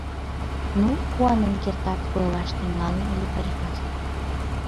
— Ну, куанен кертат... — ойлаш тӱҥалын ыле парикмахер.